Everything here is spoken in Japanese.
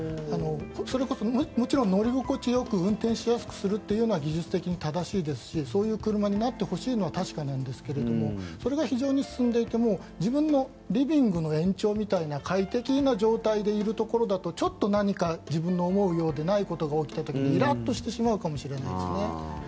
それこそ、もちろん乗り心地よく運転しやすくするというのは技術的に正しいですしそういう車になってほしいのは確かなんですけどそれが非常に進んでいて自分のリビングの延長みたいな快適な状態でいるところだとちょっと何か自分の思うようでないことが起きた時にイラッとしてしまうかもしれないですね。